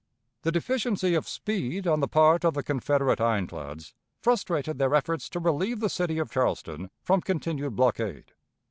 The deficiency of speed on the part of the Confederate ironclads frustrated their efforts to relieve the city of Charleston from continued blockade.